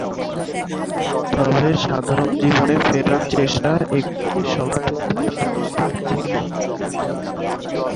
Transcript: তবে, সাধারণ জীবনে ফেরার চেষ্টা একটি স্বল্পস্থায়ী প্রচেষ্টা ছিল।